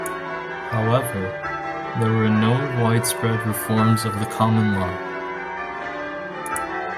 However, there were no widespread reforms of the common law.